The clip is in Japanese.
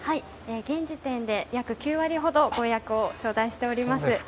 現時点で約９割ほどご予約を頂戴しております。